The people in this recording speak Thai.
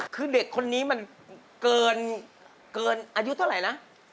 คือเด็กคนนี้มันเกินอายุเท่าไหร่นะ